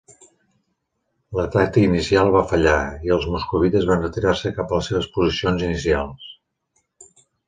L'atac inicial va fallar, i els moscovites van retirar-se cap a les seves posicions inicials.